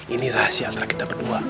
ini rahasia antara kita berdua